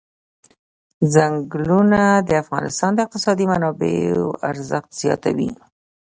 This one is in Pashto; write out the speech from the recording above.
چنګلونه د افغانستان د اقتصادي منابعو ارزښت زیاتوي.